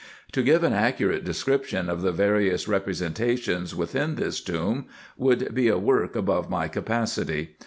To give an accurate description of the various representations within this tomb, would be a work above my capacity.